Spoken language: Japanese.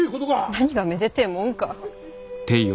何がめでてぇもんか。